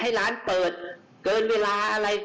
ให้ร้านเปิดเกินเวลาอะไร